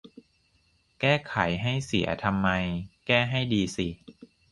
แก้ไขให้เสียทำไม แก้ให้ดีสิ